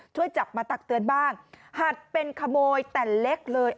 ช่วยจับมาตักเตือนบ้างหัดเป็นขโมยแต่เล็กเลย